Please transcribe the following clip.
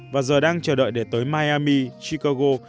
và giờ đang chờ đợi để tới miami chicago